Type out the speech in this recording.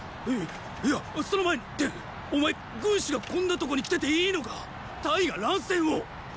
いいやその前に貂お前軍師がこんな所に来てていいのか⁉隊が乱戦を！